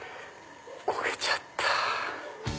焦げちゃった。